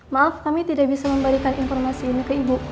maaf kami tidak bisa memberikan informasi ini ke ibu